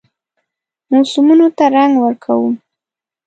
موسمونو ته رنګ ورکوم